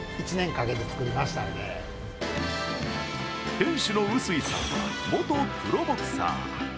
店主の臼井さんは元プロボクサー。